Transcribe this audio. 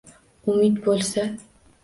Umid bo’lsa